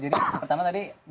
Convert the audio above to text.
jadi pertama tadi